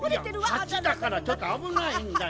いやはちだからちょっとあぶないんだよ。